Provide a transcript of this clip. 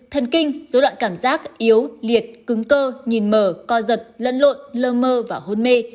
thân kinh dấu loạn cảm giác yếu liệt cứng cơ nhìn mờ co giật lân lộn lơ mơ và hôn mê